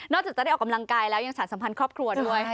จากจะได้ออกกำลังกายแล้วยังสารสัมพันธ์ครอบครัวด้วย